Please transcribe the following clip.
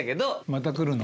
また来るの？